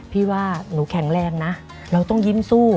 พี่ว่าหนูแข็งแรงนะเราต้องยิ้มสู้